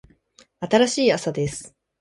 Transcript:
新しい朝です。